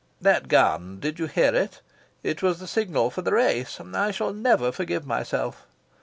"That gun did you hear it? It was the signal for the race. I shall never forgive myself."